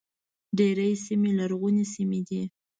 ډېرې سیمې لرغونې سیمې دي.